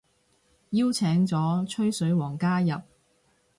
邀請咗吹水王加入